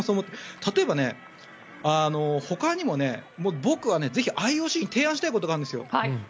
例えば、ほかにも僕はぜひ、ＩＯＣに提案したいことがあるんですよ。